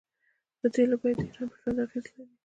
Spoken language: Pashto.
د تیلو بیه د ایران په ژوند اغیز لري.